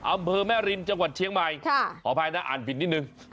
อำเภอแม่ริมจังหวัดเชียงใหม่ขออภัยนะอ่านผิดนิดนึง